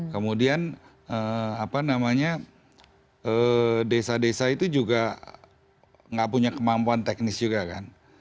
kemudian apa namanya desa desa itu juga nggak punya kemampuan teknis juga kan